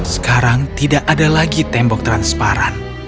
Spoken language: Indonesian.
sekarang tidak ada lagi tembok transparan